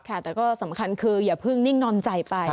แต่ก็สำคัญคืออย่าเพิ่งนิ่งนอนใจไป